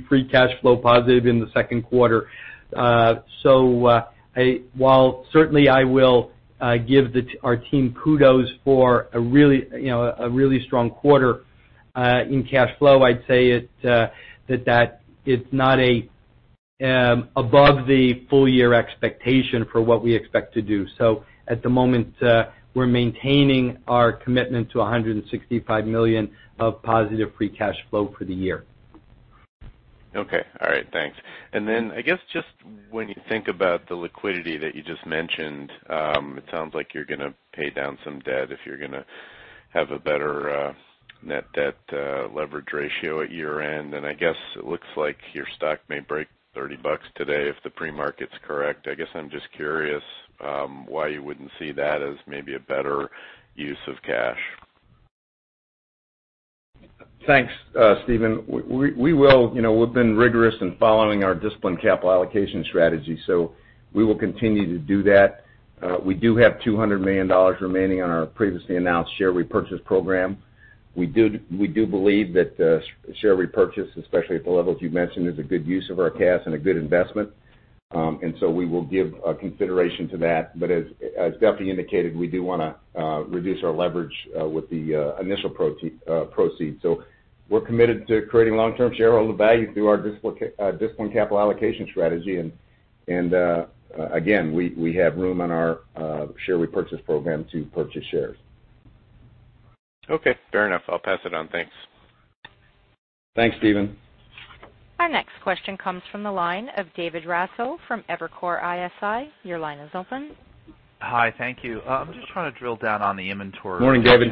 free cash flow positive in the second quarter. While certainly I will give our team kudos for a really strong quarter in cash flow, I'd say that it's not above the full-year expectation for what we expect to do. At the moment, we're maintaining our commitment to $165 million of positive free cash flow for the year.
Okay. All right. Thanks. I guess, just when you think about the liquidity that you just mentioned, it sounds like you're going to pay down some debt if you're going to have a better net debt leverage ratio at year-end. I guess it looks like your stock may break $30 today if the pre-market's correct. I guess I'm just curious why you wouldn't see that as maybe a better use of cash.
Thanks, Stephen. We've been rigorous in following our disciplined capital allocation strategy. We will continue to do that. We do have $200 million remaining on our previously announced share repurchase program. We do believe that share repurchase, especially at the levels you've mentioned, is a good use of our cash and a good investment. We will give consideration to that. As Duffy indicated, we do want to reduce our leverage with the initial proceeds. We're committed to creating long-term shareholder value through our disciplined capital allocation strategy. Again, we have room in our share repurchase program to purchase shares.
Okay, fair enough. I'll pass it on. Thanks.
Thanks, Stephen.
Our next question comes from the line of David Raso from Evercore ISI. Your line is open.
Hi. Thank you. I'm just trying to drill down on the inventory.
Morning, David.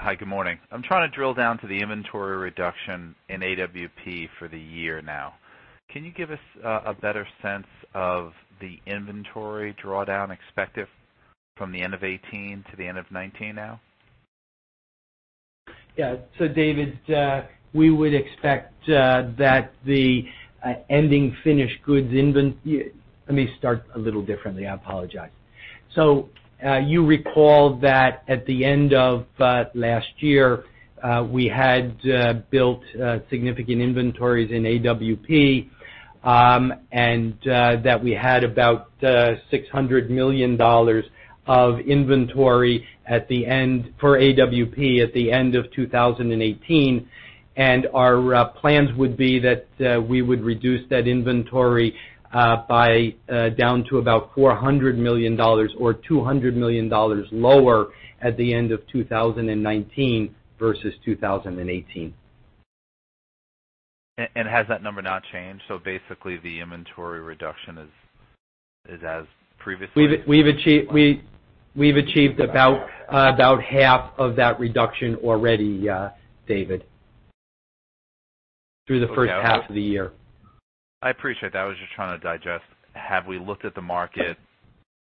Hi, good morning. I'm trying to drill down to the inventory reduction in AWP for the year now. Can you give us a better sense of the inventory drawdown expected from the end of 2018 to the end of 2019 now?
David, let me start a little differently. I apologize. You recall that at the end of last year, we had built significant inventories in AWP, and that we had about $600 million of inventory for AWP at the end of 2018. Our plans would be that we would reduce that inventory by down to about $400 million or $200 million lower at the end of 2019 versus 2018.
Has that number not changed? Basically, the inventory reduction is as previously-
We've achieved about half of that reduction already, David, through the first half of the year.
I appreciate that. I was just trying to digest, have we looked at the market,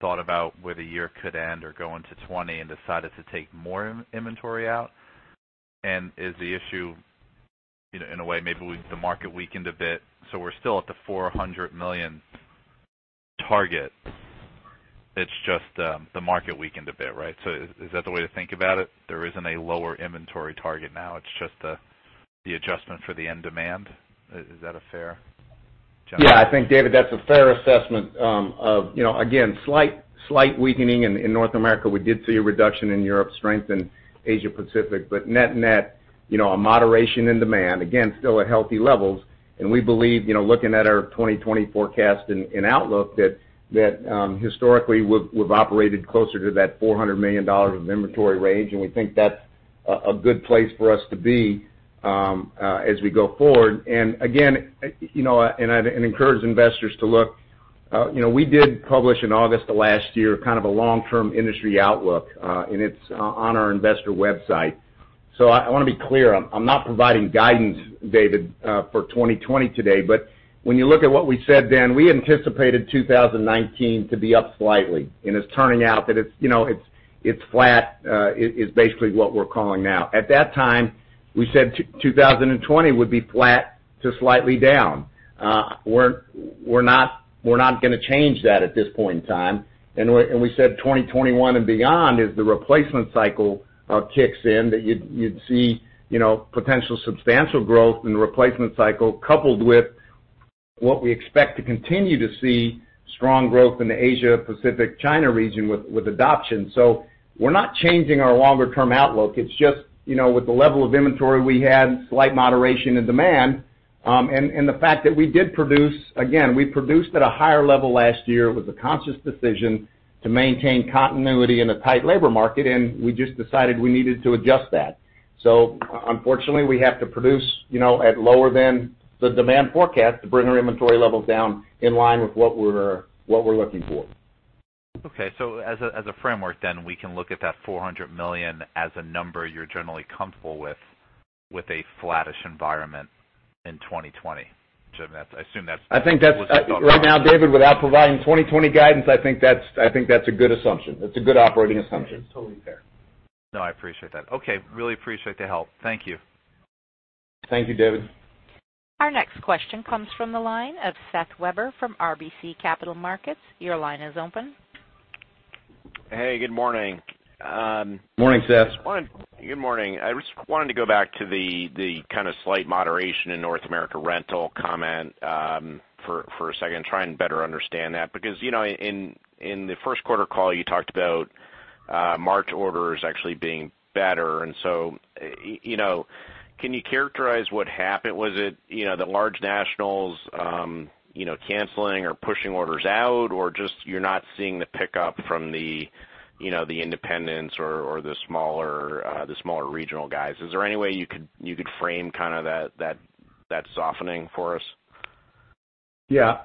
thought about where the year could end or go into 2020 and decided to take more inventory out? Is the issue, in a way, maybe with the market weakened a bit, so we're still at the $400 million target. It's just the market weakened a bit, right? Is that the way to think about it? There isn't a lower inventory target now, it's just the adjustment for the end demand. Is that a fair general?
Yeah, I think, David, that's a fair assessment of, again, slight weakening in North America. We did see a reduction in Europe, strength in Asia Pacific. Net-net, a moderation in demand, again, still at healthy levels. We believe, looking at our 2020 forecast and outlook, that historically, we've operated closer to that $400 million of inventory range, and we think that's a good place for us to be as we go forward. Again, and I'd encourage investors to look. We did publish in August of last year, kind of a long-term industry outlook, and it's on our investor website. I want to be clear. I'm not providing guidance, David, for 2020 today. When you look at what we said then, we anticipated 2019 to be up slightly, and it's turning out that it's flat, is basically what we're calling now. At that time, we said 2020 would be flat to slightly down. We're not going to change that at this point in time. We said 2021 and beyond, as the replacement cycle kicks in, that you'd see potential substantial growth in the replacement cycle, coupled with what we expect to continue to see strong growth in the Asia Pacific, China region with adoption. We're not changing our longer-term outlook. It's just, with the level of inventory we had, slight moderation in demand, and the fact that we did produce. Again, we produced at a higher level last year. It was a conscious decision to maintain continuity in a tight labor market, and we just decided we needed to adjust that. Unfortunately, we have to produce at lower than the demand forecast to bring our inventory levels down in line with what we're looking for.
Okay. As a framework, we can look at that $400 million as a number you're generally comfortable with a flattish environment in 2020. I assume that's-
Right now, David, without providing 2020 guidance, I think that's a good assumption. That's a good operating assumption.
It's totally fair.
No, I appreciate that. Okay. Really appreciate the help. Thank you.
Thank you, David.
Our next question comes from the line of Seth Weber from RBC Capital Markets. Your line is open.
Hey, good morning.
Morning, Seth.
Good morning. I just wanted to go back to the kind of slight moderation in North America rental comment for a second, try and better understand that. In the first quarter call, you talked about March orders actually being better, and so can you characterize what happened? Was it the large nationals canceling or pushing orders out, or just you're not seeing the pickup from the independents or the smaller regional guys? Is there any way you could frame that softening for us?
Yeah.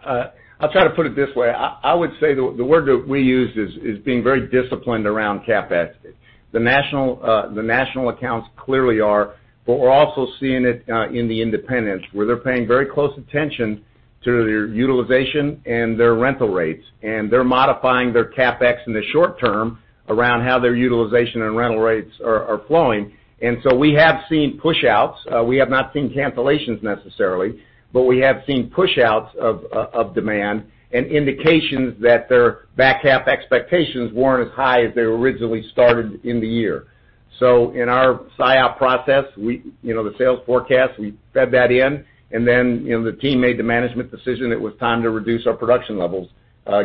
I'll try to put it this way. I would say, the word that we use is being very disciplined around CapEx. The national accounts clearly are, but we're also seeing it in the independents, where they're paying very close attention to their utilization and their rental rates. They're modifying their CapEx in the short term around how their utilization and rental rates are flowing. We have seen push-outs. We have not seen cancellations necessarily, but we have seen push-outs of demand and indications that their back half expectations weren't as high as they originally started in the year. In our SIOP process, the sales forecast, we fed that in, and then the team made the management decision it was time to reduce our production levels,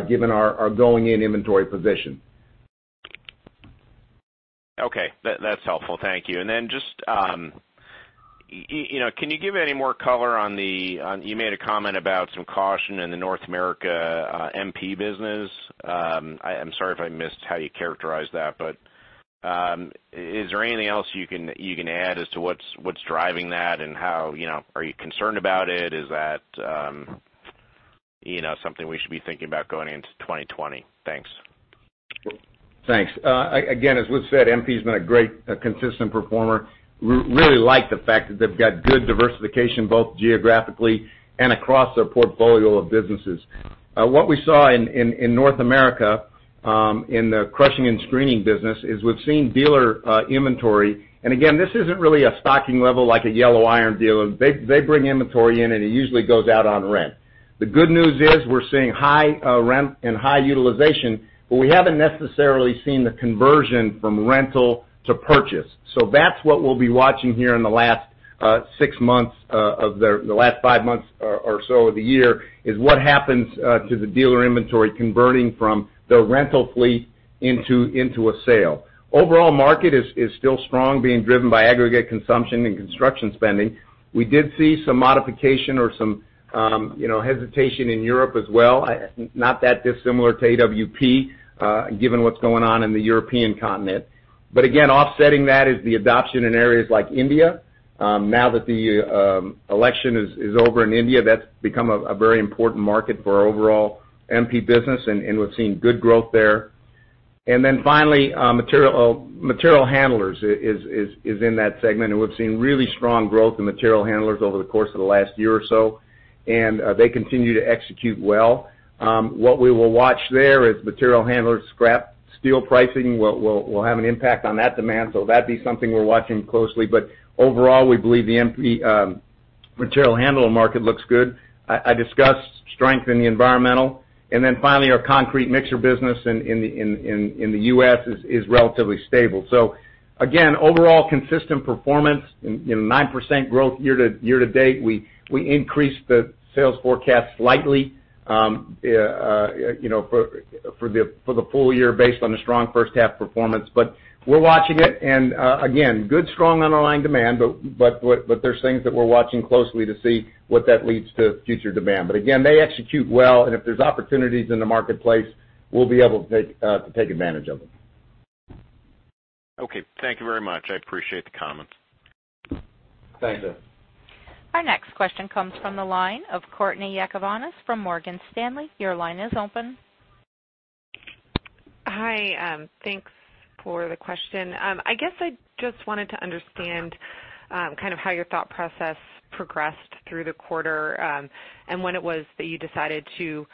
given our going-in inventory position.
Okay. That's helpful. Thank you. Can you give any more color on the, you made a comment about some caution in the North America MP business. I'm sorry if I missed how you characterized that, but is there anything else you can add as to what's driving that and how are you concerned about it? Is that something we should be thinking about going into 2020? Thanks.
Thanks. Again, as we've said, MP's been a great, consistent performer. Really like the fact that they've got good diversification, both geographically and across their portfolio of businesses. What we saw in North America, in the crushing and screening business is we've seen dealer inventory. Again, this isn't really a stocking level like a yellow iron dealer. They bring inventory in, and it usually goes out on rent. The good news is we're seeing high rent and high utilization, but we haven't necessarily seen the conversion from rental to purchase. That's what we'll be watching here in the last six months of the last five months or so of the year is what happens to the dealer inventory converting from the rental fleet into a sale. Overall market is still strong, being driven by aggregate consumption and construction spending. We did see some modification or some hesitation in Europe as well. Not that dissimilar to AWP, given what's going on in the European continent. Again, offsetting that is the adoption in areas like India. Now that the election is over in India, that's become a very important market for our overall MP business. We're seeing good growth there. Finally, material handlers is in that segment. We've seen really strong growth in material handlers over the course of the last year or so. They continue to execute well. What we will watch there is material handlers scrap steel pricing will have an impact on that demand. That'd be something we're watching closely. Overall, we believe the MP material handler market looks good. I discussed strength in the environmental. Finally, our concrete mixer business in the U.S. is relatively stable. Again, overall consistent performance in 9% growth year to date. We increased the sales forecast slightly for the full year based on a strong first half performance. We're watching it and, again, good strong underlying demand, but there's things that we're watching closely to see what that leads to future demand. Again, they execute well, and if there's opportunities in the marketplace, we'll be able to take advantage of them.
Okay. Thank you very much. I appreciate the comments.
Thank you.
Our next question comes from the line of Courtney Yakavonis from Morgan Stanley. Your line is open.
Hi. Thanks for the question. I guess I just wanted to understand kind of how your thought process progressed through the quarter and when it was that you decided to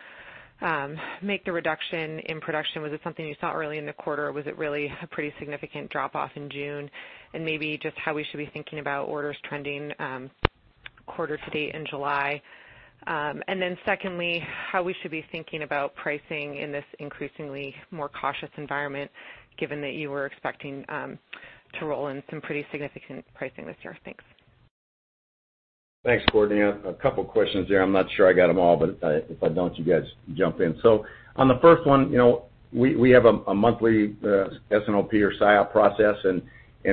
make the reduction in production. Was it something you saw early in the quarter, or was it really a pretty significant drop-off in June? Maybe just how we should be thinking about orders trending quarter to date in July. Secondly, how we should be thinking about pricing in this increasingly more cautious environment, given that you were expecting to roll in some pretty significant pricing this year. Thanks.
Thanks, Courtney. A couple questions there. I'm not sure I got them all, but if I don't, you guys jump in. On the first one, we have a monthly S&OP or SIOP process, and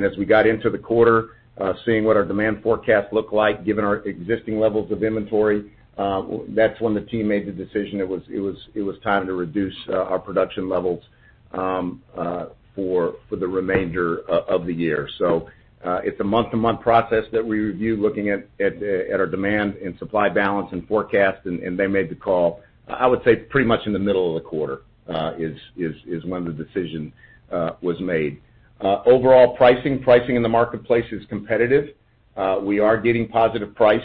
as we got into the quarter, seeing what our demand forecast looked like given our existing levels of inventory, that's when the team made the decision it was time to reduce our production levels for the remainder of the year. It's a month-to-month process that we review looking at our demand and supply balance and forecast, and they made the call, I would say, pretty much in the middle of the quarter is when the decision was made. Overall pricing. Pricing in the marketplace is competitive. We are getting positive price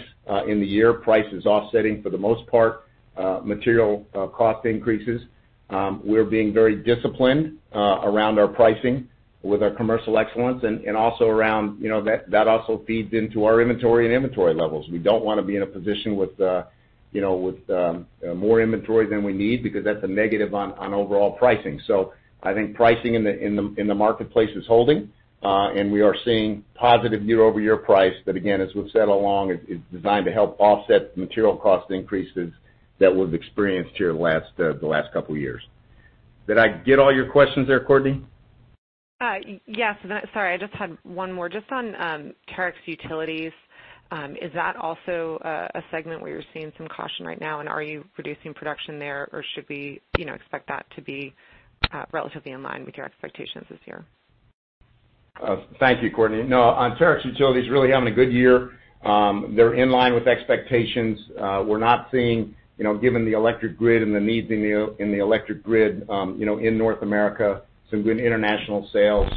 in the year. Price is offsetting, for the most part, material cost increases. We're being very disciplined around our pricing with our commercial excellence that also feeds into our inventory and inventory levels. We don't want to be in a position with more inventory than we need because that's a negative on overall pricing. I think pricing in the marketplace is holding, and we are seeing positive year-over-year price. That again, as we've said along, is designed to help offset material cost increases that we've experienced here the last couple of years. Did I get all your questions there, Courtney?
Yes. Sorry, I just had one more. Just on Terex Utilities. Is that also a segment where you're seeing some caution right now, and are you reducing production there, or should we expect that to be relatively in line with your expectations this year?
Thank you, Courtney. On Terex Utilities really having a good year. They're in line with expectations. We're not seeing, given the electric grid and the needs in the electric grid in North America, some good international sales.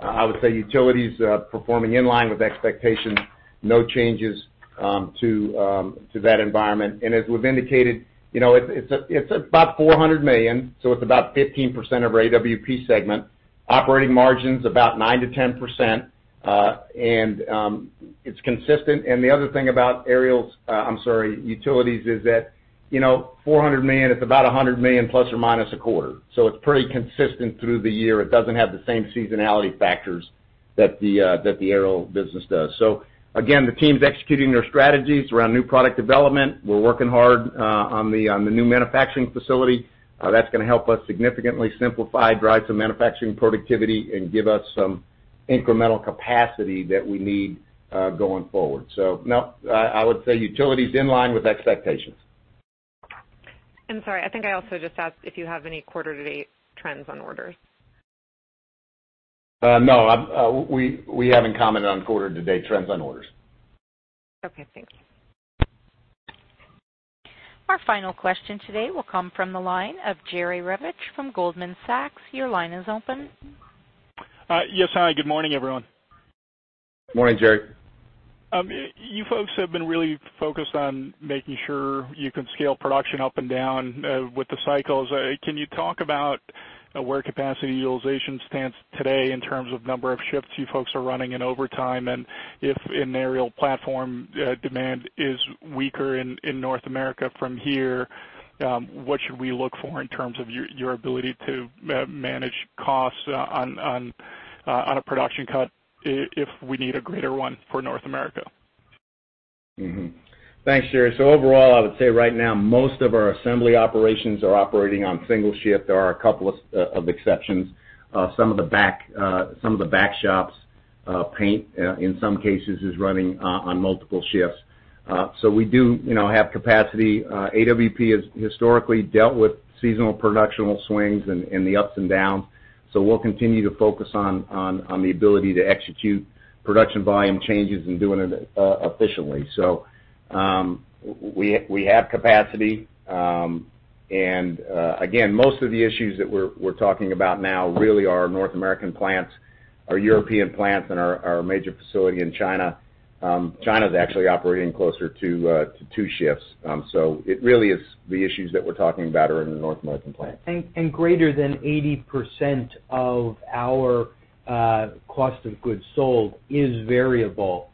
I would say Utilities performing in line with expectations. No changes to that environment. As we've indicated, it's about $400 million, so it's about 15% of our AWP segment. Operating margin's about 9%-10%, and it's consistent. The other thing about Aerials, I'm sorry, Utilities is that $400 million is about $100 million plus or minus a quarter. It's pretty consistent through the year. It doesn't have the same seasonality factors that the Aerial business does. Again, the team's executing their strategies around new product development. We're working hard on the new manufacturing facility. That's going to help us significantly simplify, drive some manufacturing productivity, and give us some incremental capacity that we need going forward. No, I would say Utilities in line with expectations.
I'm sorry, I think I also just asked if you have any quarter-to-date trends on orders.
No, we haven't commented on quarter-to-date trends on orders.
Okay, thank you.
Our final question today will come from the line of Jerry Revich from Goldman Sachs. Your line is open.
Yes, hi. Good morning, everyone.
Morning, Jerry.
You folks have been really focused on making sure you can scale production up and down with the cycles. Can you talk about where capacity utilization stands today in terms of number of shifts you folks are running in overtime? If an aerial platform demand is weaker in North America from here, what should we look for in terms of your ability to manage costs on a production cut if we need a greater one for North America?
Thanks, Jerry. Overall, I would say right now, most of our assembly operations are operating on single shift. There are a couple of exceptions. Some of the back shops, paint, in some cases, is running on multiple shifts. We do have capacity. AWP has historically dealt with seasonal production swings and the ups and downs. We'll continue to focus on the ability to execute production volume changes and doing it efficiently. We have capacity. Again, most of the issues that we're talking about now really are North American plants. Our European plants and our major facility in China. China's actually operating closer to two shifts. It really is the issues that we're talking about are in the North American plants.
Greater than 80% of our cost of goods sold is variable.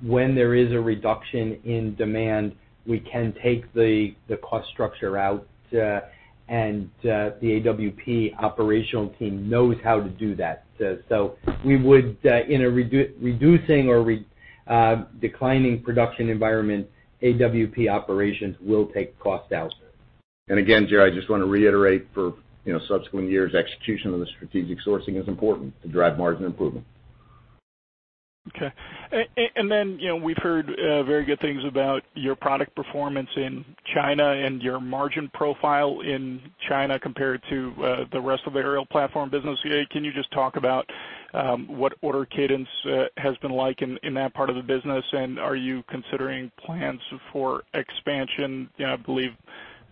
When there is a reduction in demand, we can take the cost structure out, and the AWP operational team knows how to do that. We would, in a reducing or declining production environment, AWP operations will take cost out.
Again, Jerry, I just want to reiterate for subsequent years, execution of the strategic sourcing is important to drive margin improvement.
Okay. We've heard very good things about your product performance in China and your margin profile in China compared to the rest of the aerial platform business. Can you just talk about what order cadence has been like in that part of the business, and are you considering plans for expansion? I believe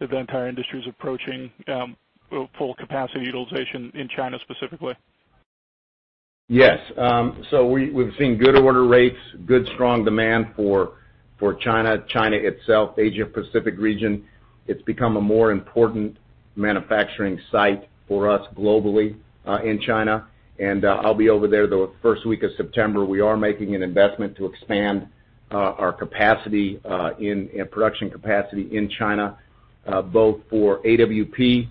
that the entire industry is approaching full capacity utilization in China specifically.
Yes. We've seen good order rates, good strong demand for China itself, Asia-Pacific region. It's become a more important manufacturing site for us globally in China. I'll be over there the first week of September. We are making an investment to expand our production capacity in China both for AWP,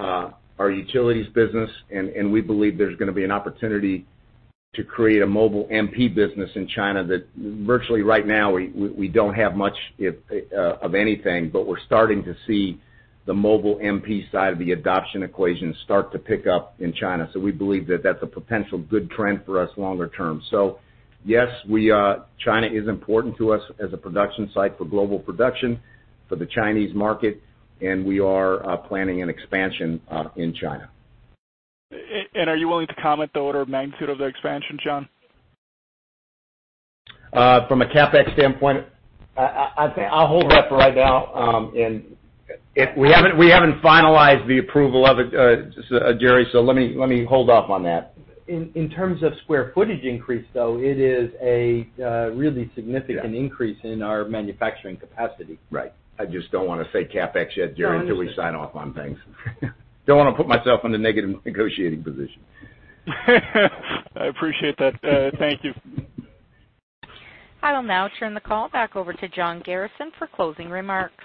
our utilities business, and we believe there's going to be an opportunity to create a mobile MP business in China that virtually right now we don't have much of anything, but we're starting to see the mobile MP side of the adoption equation start to pick up in China. We believe that that's a potential good trend for us longer term. Yes, China is important to us as a production site for global production for the Chinese market, and we are planning an expansion in China.
Are you willing to comment the order of magnitude of the expansion, John?
From a CapEx standpoint? I'll hold that for right now. We haven't finalized the approval of it, Jerry, so let me hold off on that. In terms of square footage increase, though, it is a really significant increase in our manufacturing capacity.
Right. I just don't want to say CapEx yet, Jerry, until we sign off on things. Don't want to put myself in a negative negotiating position.
I appreciate that. Thank you.
I will now turn the call back over to John Garrison for closing remarks.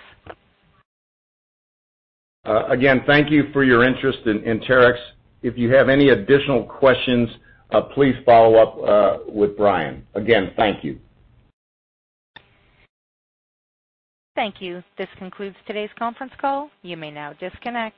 Again, thank you for your interest in Terex. If you have any additional questions, please follow up with Brian. Again, thank you.
Thank you. This concludes today's conference call. You may now disconnect.